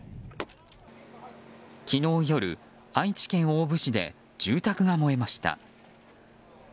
昨日夜、愛知県大府市で住宅が燃えました。